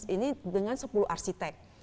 ini dengan sepuluh arsitek